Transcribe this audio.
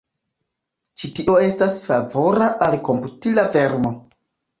Ĉi tio estas favora al komputila vermo.